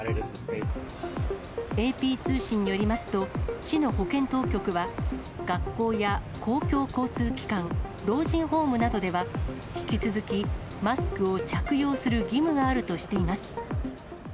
ＡＰ通信によりますと、市の保健当局は、学校や公共交通機関、老人ホームなどでは、引き続きマスクを着用する義務があるとしています。